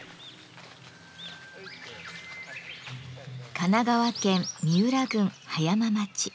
神奈川県三浦郡葉山町。